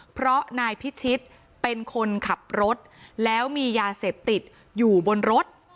เพราะนายพิชิตเป็นคนขับรถแล้วมียาเสพติดอยู่บนรถ